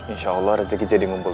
insya allah rezeki jadi ngumpul